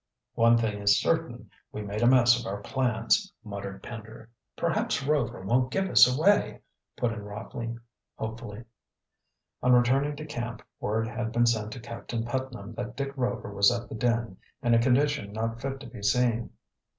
"One thing is certain, we made a mess of our plans," muttered Pender. "Perhaps Rover won't give us away," put in Rockley hopefully. On returning to camp word had been sent to Captain Putnam that Dick Rover was at the den in a condition not fit to be seen.